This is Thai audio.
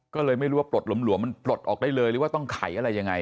ก็เลยไม่รู้ว่าปลดหลวมมันปลดออกได้เลยหรือว่าต้องไขอะไรยังไง